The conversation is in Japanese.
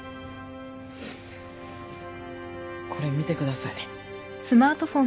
これ見てください。